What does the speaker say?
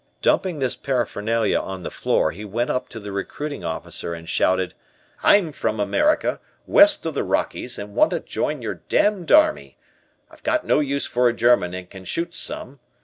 Dumping this paraphernalia on the floor he went up to the recruiting officer and shouted: "I'm from America, west of the Rockies, and want to join your damned army. I've got no use for a German and can shoot some.